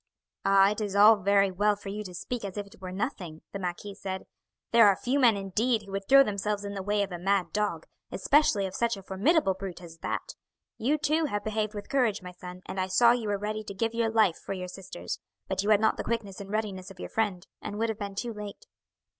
"Ah, it is all very well for you to speak as if it were nothing!" the marquis said. "There are few men, indeed, who would throw themselves in the way of a mad dog, especially of such a formidable brute as that. You too have behaved with courage, my son, and I saw you were ready to give your life for your sisters; but you had not the quickness and readiness of your friend, and would have been too late."